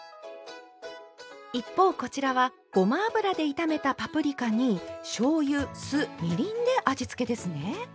一方こちらはごま油で炒めたパプリカにしょうゆ酢みりんで味付けですね。